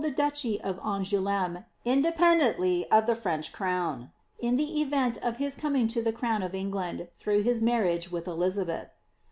the duchy of AngouMme,' independently of the French crown, in the event of his coming to the crown of England through his marriage with Elizabeth.'